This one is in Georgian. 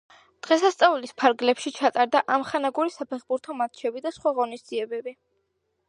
დღესასწაულის ფარგლებში ჩატარდა ამხანაგური საფეხბურთო მატჩები და სხვა ღონისძიებები.